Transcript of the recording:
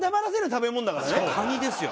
カニですよ。